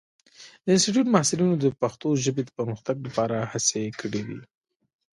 د انسټیټوت محصلینو د پښتو ژبې د پرمختګ لپاره هڅې کړې دي.